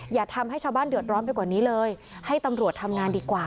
อย่าทำให้ชาวบ้านเดือดร้อนไปกว่านี้เลยให้ตำรวจทำงานดีกว่า